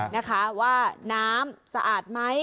นะคะว่าน้ำสะอาดไหม